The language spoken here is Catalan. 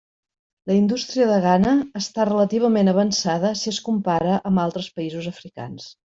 La indústria de Ghana està relativament avançada si es compara amb altres països africans.